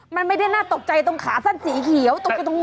มันไม่น่าตกใจตรงขาสั่นสีเขียว